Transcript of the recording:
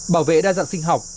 bảo vệ đa dạng sinh học